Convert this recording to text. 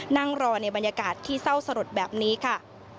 นั่งรอในบรรยากาศที่เศร้าสลดแบบนี้ค่ะ